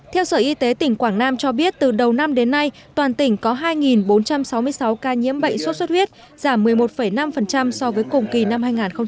theo sở y tế tỉnh quảng nam cho biết từ đầu năm đến nay toàn tỉnh có hai bốn trăm sáu mươi sáu ca nhiễm bệnh xuất xuất huyết giảm một mươi một năm so với cùng kỳ năm hai nghìn một mươi tám